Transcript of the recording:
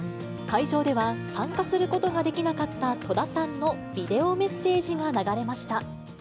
会場では、参加することができなかった戸田さんのビデオメッセージが流れました。